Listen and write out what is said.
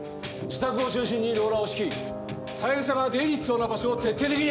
自宅を中心にローラーを敷き三枝が出入りしそうな場所を徹底的に洗うんだ！